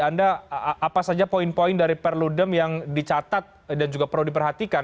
anda apa saja poin poin dari perludem yang dicatat dan juga perlu diperhatikan